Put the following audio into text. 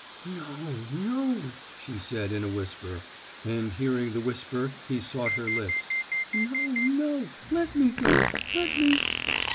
"No, no," said she in a whisper, and hearing the whisper he sought her lips. "No, no, let me go; let me...."